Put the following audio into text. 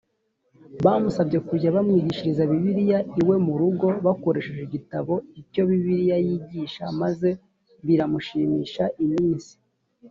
bamusabye kujya bamwigishiriza bibiliya iwe mu rugo bakoresheje igitabo icyo bibiliya yigisha maze biramushimisha iminsi